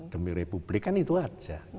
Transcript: demi republik kan itu aja